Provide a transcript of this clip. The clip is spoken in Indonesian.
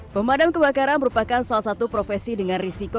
pemadam kebakaran merupakan salah satu profesi dengan risiko